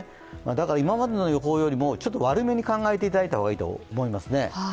だから今までの予想よりもちょっと悪めに考えていただければいいと思います。